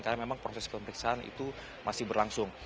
karena memang proses pemeriksaan itu masih berlangsung